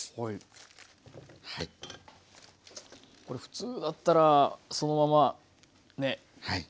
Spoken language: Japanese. これ普通だったらそのままね。